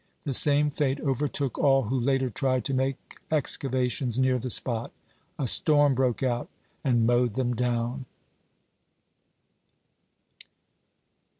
The same fate overtook all who later tried to make excavations near the spot; a storm broke out and mowed them down.